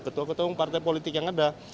ketua ketua umum partai politik yang ada